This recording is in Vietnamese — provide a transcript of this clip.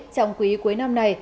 trong quý cuối năm này